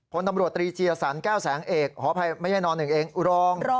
พนตำรวจตรีเจียสรรแก้วแสงเอกฮพไม่ได้นหนึ่งเองรอง